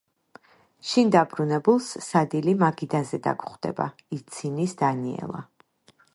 შინ დაბრუნებულს სადილი მაგიდაზე დაგხვდება, – იცინის დანიელა.